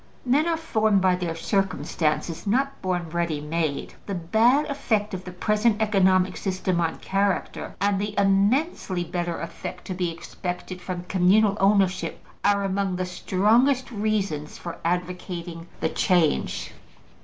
Men are formed by their circumstances, not born ready made. The bad effect of the present economic system on character, and the immensely better effect to be expected from communal ownership, are among the strongest reasons for advocating the change.